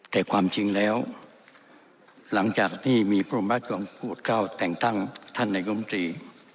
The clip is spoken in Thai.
แต่ความจริงแล้วหลังจากนี้มีปรุงรัฐกรรมภูตเกล้าแต่งตั้งท่านในกรุมตรี